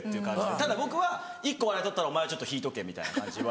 ただ僕は「１個笑い取ったらお前は引いとけ」みたいな感じ。